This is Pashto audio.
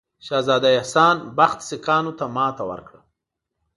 شهزاده احسان بخت سیکهانو ته ماته ورکړه.